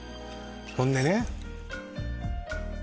ほんでね